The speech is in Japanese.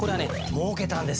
もうけたんですよ。